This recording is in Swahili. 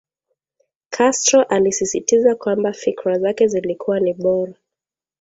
Castro alisisitiza kwamba fikra zake zilikuwa ni bora